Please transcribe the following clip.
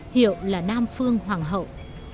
hiệu là nam phương hoàng hậu